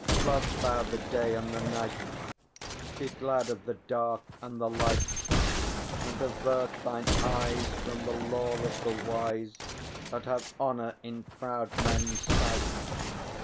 Love thou the Day and the Night; Be glad of the Dark and the Light; And avert thine eyes From the lore of the wise, That have honour in proud men's sight.